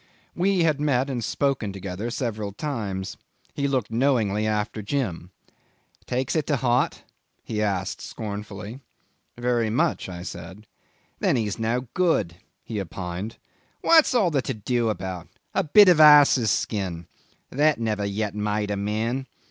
We had met and spoken together several times. He looked knowingly after Jim. "Takes it to heart?" he asked scornfully. "Very much," I said. "Then he's no good," he opined. "What's all the to do about? A bit of ass's skin. That never yet made a man.